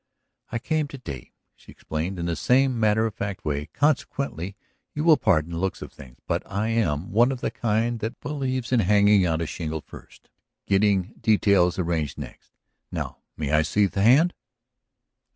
"I came to day," she explained in the same matter of fact way. "Consequently you will pardon the looks of things. But I am one of the kind that believes in hanging out a shingle first, getting details arranged next. Now may I see the hand?"